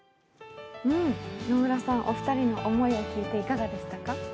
野村さん、お二人の思いを聞いていかがでしたか？